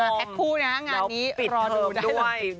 มาแพ็ดคู่นะคะงานนี้รอดูได้หรือเปล่า